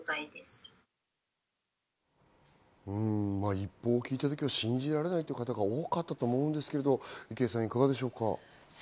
一報を聞いた時は信じられないという方が多かったと思うんですけど、郁恵さん、いかがでしょうか？